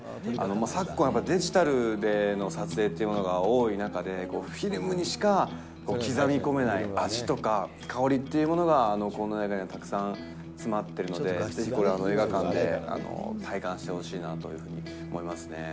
昨今、やっぱデジタルでの撮影っていうものが多い中で、フィルムにしか刻み込めない味とか香りっていうものがこの映画にはたくさん詰まってるので、映画館で体感してほしいなというふうに思いますね。